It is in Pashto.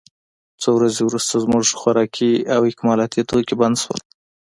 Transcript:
څو ورځې وروسته زموږ خوراکي او اکمالاتي توکي بند شول